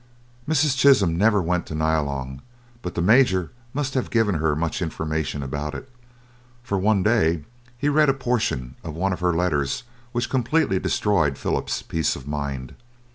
Mrs. Chisholm never went to Nyalong, but the Major must have given her much information about it, for one day he read a portion of one of her letters which completely destroyed Philip's peace of mind.